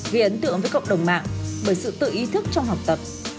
gây ấn tượng với cộng đồng mạng bởi sự tự ý thức trong học tập